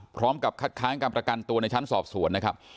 พร้อมกับคัดค้างการประกันตัวในชั้นสอบสวนนะครับ